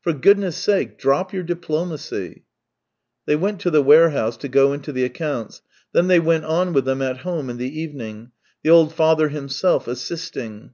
For goodness' sake, drop your diplomacy !" They went to the warehouse to go into the accounts; then they went on with them at home in the evening, the old father himself assisting.